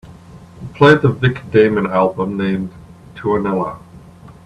Play the Vic Damone album named Tuonela